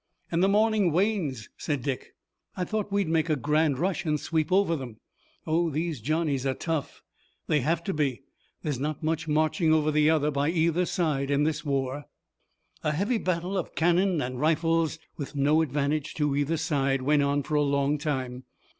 "And the morning wanes," said Dick. "I thought we'd make a grand rush and sweep over 'em!" "Oh, these Johnnies are tough. They have to be. There's not much marching over the other by either side in this war." A heavy battle of cannon and rifles, with no advantage to either side, went on for a long time.